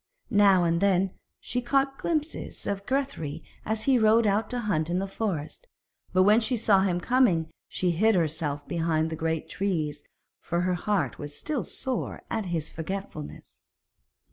Now and then she caught glimpses of Grethari as he rode out to hunt in the forest, but when she saw him coming she hid herself behind the great trees, for her heart was still sore at his forgetfulness.